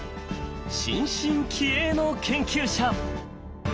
新進気鋭の研究者。